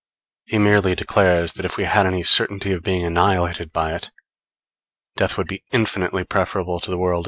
He merely declares that if we had any certainty of being annihilated by it, death would be infinitely preferable to the world as it is.